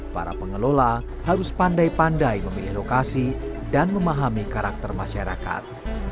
para pengelola harus pandai pandai memilih lokasi dan memahami karakter masyarakat